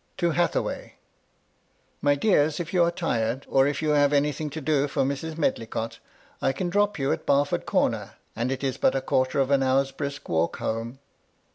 " To Hathaway. My dears, if you are tired, or if you have anything to do for Mrs. Medlicott, I can drop you at Barford Corner, and it is but a quarter of an hour's brisk walk home